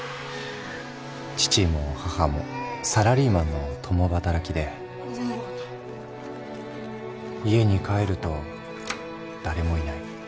父も母もサラリーマンの共働きで家に帰ると誰もいない。